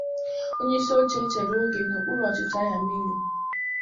onyeisi oche nchere ogè n'okpuru ọchịchị Ayamelụm